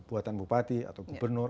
buatan bupati atau gubernur